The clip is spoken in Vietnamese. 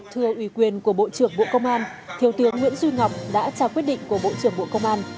thưa ủy quyền của bộ trưởng bộ công an thiếu tướng nguyễn duy ngọc đã trao quyết định của bộ trưởng bộ công an